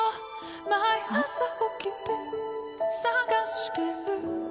毎朝起きて探してる